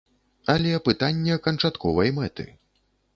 Але пытанне канчатковай мэты.